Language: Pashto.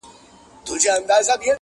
چيري چي دود نه وي، هلته سود نه وي.